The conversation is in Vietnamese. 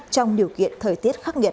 trong điều kiện thời tiết khắc nghiệt